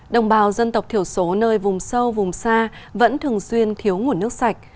đồng bào dân tộc thiểu số nơi vùng sâu vùng xa vẫn thường xuyên thiếu nguồn nước sạch